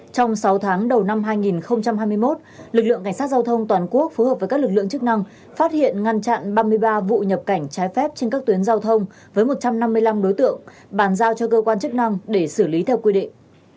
trong sáu tháng đầu năm hai nghìn hai mươi một lực lượng cảnh sát giao thông toàn quốc phối hợp với các lực lượng chức năng phát hiện ngăn chặn ba mươi ba vụ nhập cảnh trái phép trên các tuyến giao thông với một trăm năm mươi năm đối tượng bàn giao cho cơ quan chức năng để xử lý theo quy định